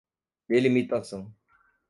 delimitação